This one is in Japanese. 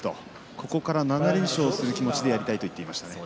ここから７連勝するつもりでやりたいと言っていました。